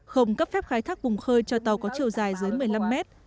không cấp phép khai thác vùng khơi cho tàu có chiều dài dưới một mươi năm mét